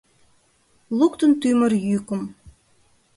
Луктын тӱмыр йӱкым